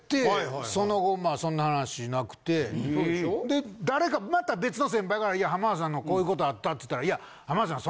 で誰かまた別の先輩からいや浜田さんのこういうことあったっつったらいや浜田さん